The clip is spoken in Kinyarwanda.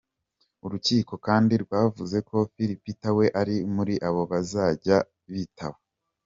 Urukiko kandi rwavuze ko Philbert we atari muri abo bazajya bitaba.